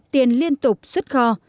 tiền liên tục xuất kho